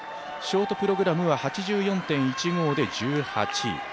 ショートプログラムは８４．１５１８位。